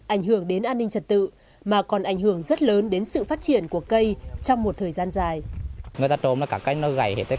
ảnh hưởng đến an ninh trật tự mà còn ảnh hưởng rất lớn đến sự phát triển của cây